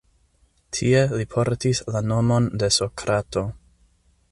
Tie li portis la nomon de Sokrato.